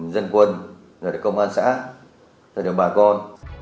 dân quân công an xã bà con